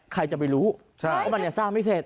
ใครจะไปรู้ว่ามันยังสร้างไม่เสร็จ